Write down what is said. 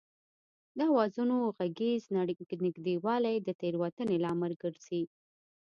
د آوازونو غږیز نږدېوالی د تېروتنې لامل ګرځي